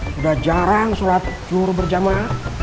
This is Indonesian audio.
sudah jarang surat jur berjamaah